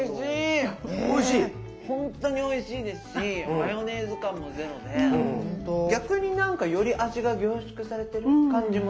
本当においしいですしマヨネーズ感もゼロで逆になんかより味が凝縮されてる感じもしますね。